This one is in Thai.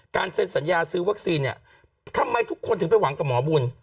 เซ็นสัญญาซื้อวัคซีนเนี่ยทำไมทุกคนถึงไปหวังกับหมอบุญ